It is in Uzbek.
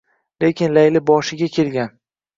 Lekin Layli boshiga kelgan